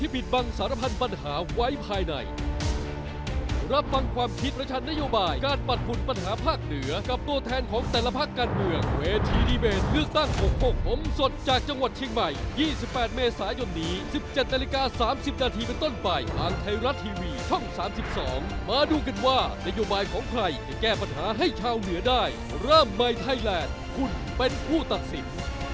เมษายน๑๗นาฬิกา๓๐นาทีเป็นต้นใบทางไทยรัสทีวีช่อง๓๒มาดูกันว่านโยบายของใครจะแก้ปัญหาให้ข้าวเหนือได้ร่ำใบไทยแลนด์คุณเป็นผู้ตัดสิน